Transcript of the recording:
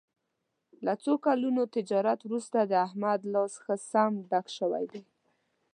له څو کلونو تجارت ورسته د احمد لاس ښه سم ډک شوی دی.